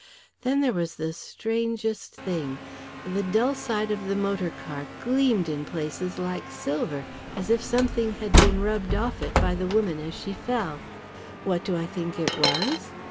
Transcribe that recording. Then there was the strangest thing, the dull side of the motor car gleamed in places like silver, as if something had been rubbed off it by the woman as she fell. What do I think it was?